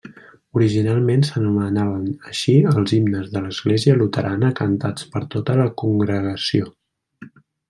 Originalment s'anomenaven així els himnes de l'església luterana cantats per tota la congregació.